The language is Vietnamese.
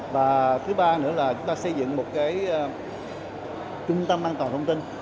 và thứ ba nữa là chúng ta xây dựng một cái trung tâm an toàn thông tin